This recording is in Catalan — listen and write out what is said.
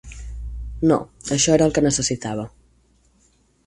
No, això era el que necessitava.